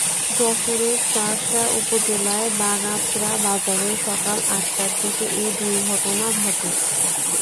যশোরের শার্শা উপজেলার বাগআঁচড়া বাজারে সকাল আটটার দিকে এ দুর্ঘটনা ঘটে।